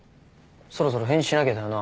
そろそろ返事しなきゃだよな。